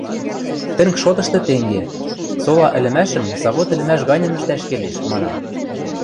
Тӹнг шотышты тенге: сола ӹлӹмӓшӹм завод ӹлӹмӓш ганьым ӹштӓш келеш, манам.